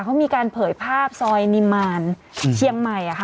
เขามีการเผยภาพซอยนิมานเชียงใหม่